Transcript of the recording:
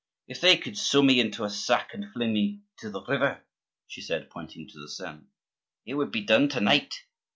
If they could sew me into a sack and fling me into the river," she said, pointing to the Seine, "it would be done to night.